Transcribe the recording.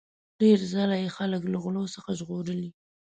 ډیر ځله یې خلک له غلو څخه ژغورلي.